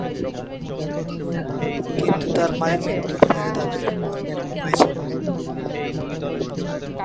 কিন্তু তাঁর মায়ের মৃত্যুর পরে তাঁদের পুনর্মিলন হয়েছিল।